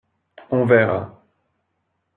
On verra.